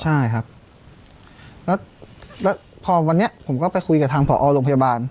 ใช่ครับแล้วพอวันนี้ผมก็ไปคุยกับทางผอโรงพยาบาล